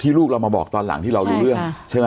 ลูกเรามาบอกตอนหลังที่เรารู้เรื่องใช่ไหม